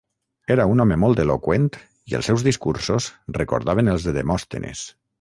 Era un home molt eloqüent i els seus discursos recordaven els de Demòstenes.